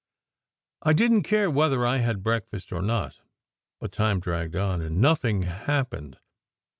I didn t care whether I had breakfast or not; but time dragged on, and no thing hap pened.